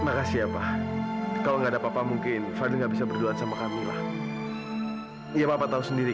makasih apa kau nggak papa mungkin fadil nggak bisa berdoa sama kamu lah ya papa tahu sendiri